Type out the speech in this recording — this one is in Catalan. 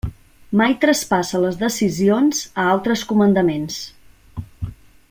Mai traspassa les decisions a altres comandaments.